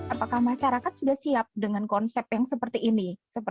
apakah masyarakat sudah siap dengan konsep yang seperti ini